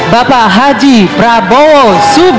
bapak haji namedel pat ltn season dua